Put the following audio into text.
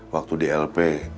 waktu di lp